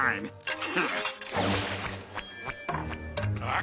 あ！